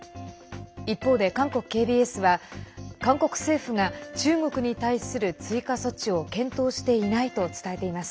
一方で、韓国ＫＢＳは韓国政府が中国に対する追加措置を検討していないと伝えています。